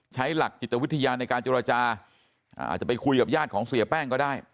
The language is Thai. ใช้หลักจิตวิทยาในการเจรจาอาจจะไปคุยกับญาติของเสียแป้งก็ได้